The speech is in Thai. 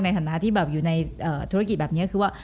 ในฐานะที่แบบอยู่ในธุรกิจแบบนี้คือว่า